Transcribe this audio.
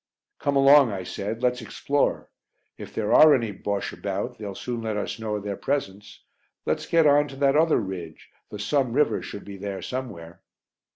"Come along," I said, "let's explore. If there are any Bosches about they'll soon let us know of their presence. Let's get on to that other ridge; the Somme river should be there somewhere."